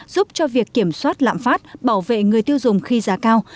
giúp cho việc kiểm soát lạm phát bảo vệ người tiêu dùng khi giá cao